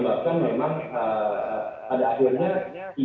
ganjar yang paling teraksosiasi dan paling mengisipkan peluang dibandingkan dengan